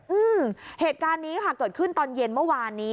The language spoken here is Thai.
อืมเหตุการณ์นี้ค่ะเกิดขึ้นตอนเย็นเมื่อวานนี้